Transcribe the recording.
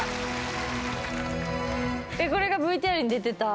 これがＶＴＲに出てた。